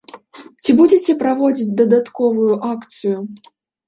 Ці будзеце праводзіць дадатковую акцыю?